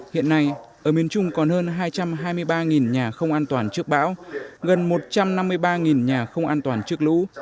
hiện nay ở miền trung còn hơn hai trăm hai mươi ba nhà không an toàn trước bão gần một trăm năm mươi ba nhà không an toàn trước lũ